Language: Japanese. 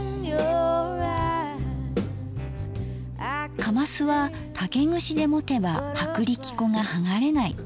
かますは竹串で持てば薄力粉が剥がれない。